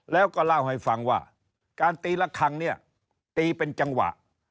แล้วก็เล่าให้ฟังว่าการตีละครั้งเนี่ยตีเป็นจังหวะ